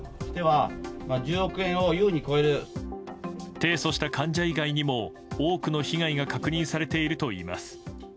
提訴した患者以外にも多くの被害が確認されているといいます。